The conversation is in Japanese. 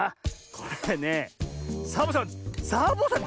これねサボさんサボさん